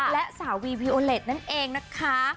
และสาววีวีโอเล็ตนั่นเองนะคะ